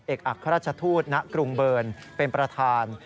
เอกอักษรรจทูตณกรุงเบิร์นเป็นประธาน